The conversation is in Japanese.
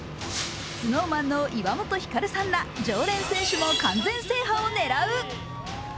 ＳｎｏｗＭａｎの岩本照さんら常連選手も完全制覇を狙う。